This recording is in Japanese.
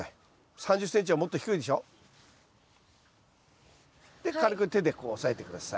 ３０ｃｍはもっと低いでしょ？で軽く手でこう押さえて下さい。